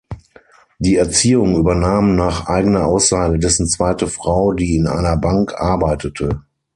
Die Erziehung übernahm nach eigener Aussage dessen zweite Frau, die in einer Bank arbeitete.